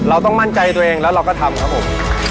เราต้องมั่นใจตัวเองแล้วเราก็ทำครับผม